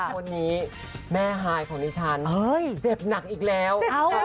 วันนี้แม่ฮายของดิฉันเจ็บหนักอีกแล้ว